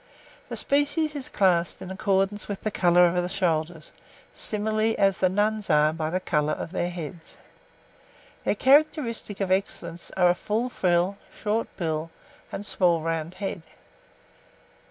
The species is classed in accordance with the colour of the shoulders, similarly as the Nuns are by the colour of their heads. Their characteristics of excellence are a full frill, short bill, and small round head.